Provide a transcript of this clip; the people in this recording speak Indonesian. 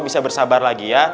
bisa bersabar lagi ya